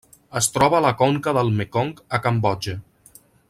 Es troba a la conca del Mekong a Cambodja.